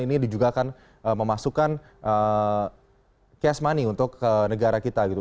ini juga akan memasukkan cash money untuk negara kita gitu